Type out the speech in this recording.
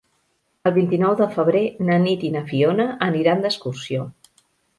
El vint-i-nou de febrer na Nit i na Fiona aniran d'excursió.